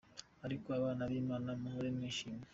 Ariko abana b’ Imana muhore mwishima.